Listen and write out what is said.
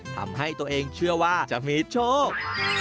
ทำให้ตัวเองเชื่อว่าจะมีโชค